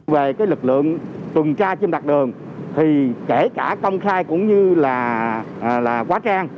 về cái lực lượng tuần tra trên mặt đường thì kể cả công khai cũng như là quá trang